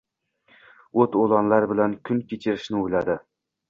O’t-o‘lanlar bilan kun kechirishni o‘yladi.